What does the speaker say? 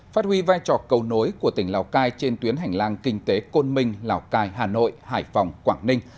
phát huy vai trò cầu nối của tỉnh lào cai trên tuyến hành lang kinh tế côn minh lào cai hà nội hải phòng quảng ninh